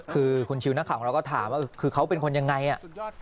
คือคุณชิวนักข่าวของเราก็ถามว่าคือเขาเป็นคนยังไงอ่ะ